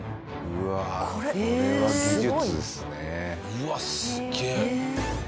うわすげえ！